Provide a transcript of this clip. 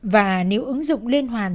và nếu ứng dụng liên hoàn